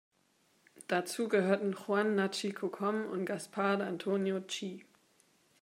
Dazu gehörten Juan Nachi Cocom und Gaspar Antonio Chi.